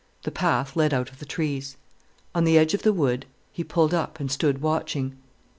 The path led out of the trees. On the edge of the wood he pulled up and stood watching.